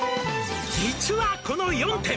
「実はこの４店」